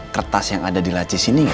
kertas yang ada di laci sini